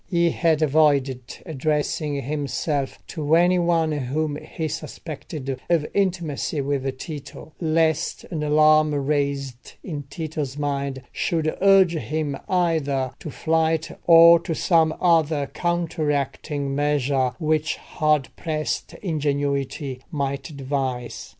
He had avoided addressing himself to any one whom he suspected of intimacy with Tito, lest an alarm raised in Tito's mind should urge him either to flight or to some other counteracting measure which hard pressed ingenuity might devise.